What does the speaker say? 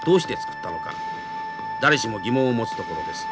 誰しも疑問を持つところです。